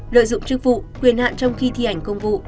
lợi dụng chức vụ quyền hạn trong khi thi hành công vụ